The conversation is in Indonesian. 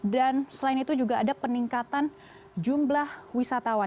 dan selain itu juga ada peningkatan jumlah wisatawan